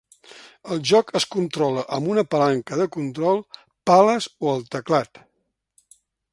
El joc es controla amb una palanca de control, pales o el teclat.